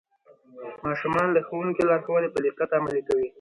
ماشومان د ښوونکي لارښوونې په دقت عملي کوي